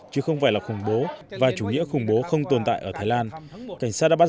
chứ không phải là khủng bố và chủ nghĩa khủng bố không tồn tại ở thái lan cảnh sát đã bắt